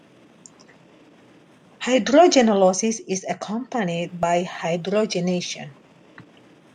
Hydrogenolysis is accompanied by hydrogenation.